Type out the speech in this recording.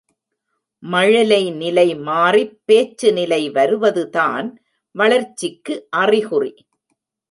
மழலை நிலை மாறிப் பேச்சு நிலை வருவதுதான் வளர்ச்சிக்கு அறிகுறி.